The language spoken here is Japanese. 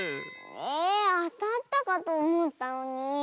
えあたったかとおもったのに。